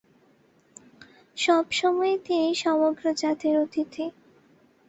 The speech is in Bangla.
সব সময়েই তিনি সমগ্র জাতির অতিথি।